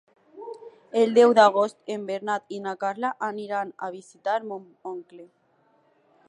El deu d'agost en Bernat i na Carla aniran a visitar mon oncle.